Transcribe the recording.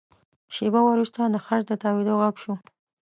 شېبه وروسته د څرخ د تاوېدو غږ شو.